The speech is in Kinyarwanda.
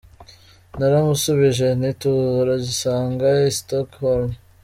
Naramusubije nti tuza, uragisanga i Stockholm.